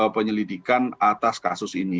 penyelidikan atas kasus ini